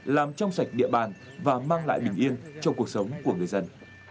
làm trong sạch địa bàn và mang lại bình yên trong cuộc sống của người dân